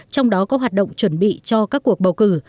trong đó có hoạt động chuẩn bị cho các cuộc bầu cử